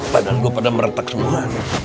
padahal gue pada meretak semua